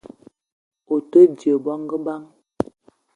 O te dje bongo bang ?